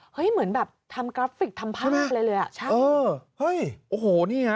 เหมือนแบบทำกราฟิกทำภาพอะไรเลยอ่ะใช่เออเฮ้ยโอ้โหนี่ไง